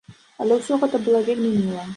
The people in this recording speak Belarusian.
Але ўсё гэта было вельмі міла.